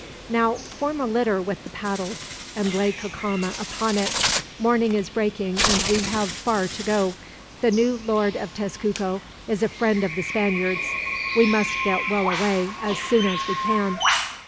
"Now, form a litter with the paddles and lay Cacama upon it. Morning is breaking, and we have far to go. The new Lord of Tezcuco is a friend of the Spaniards. We must get well away, as soon as we can."